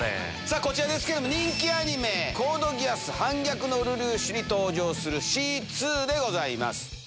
こちらですね、人気アニメ、コードギアス反逆のルルーシュに登場するシーツーでございます。